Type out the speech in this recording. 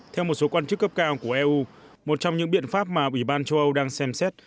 theo một số quan chức cấp cao của eu một trong những biện pháp mà ủy ban châu âu đang xem xét